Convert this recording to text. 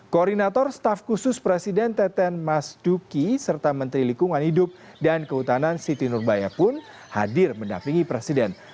koordinator staf khusus presiden teten mas duki serta menteri lingkungan hidup dan kehutanan siti nurbaya pun hadir mendampingi presiden